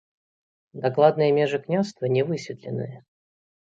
Дакладныя межы княства не высветленыя.